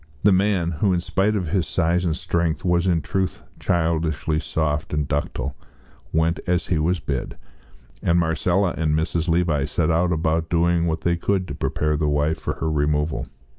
The man, who in spite of his size and strength was in truth childishly soft and ductile, went as he was bid, and Marcella and Mrs. Levi set about doing what they could to prepare the wife for her removal.